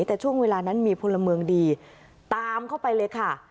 แต่ช่วงเวลานั้นมีพลเมืองดีตามเข้าไปเลยค่ะ